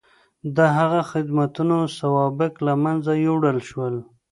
د هغه د خدمتونو سوابق له منځه یووړل شول.